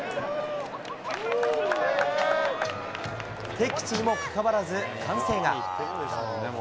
敵地にもかかわらず、歓声が。